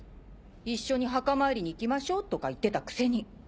一緒に墓参りに行きましょうとか言ってたくせに。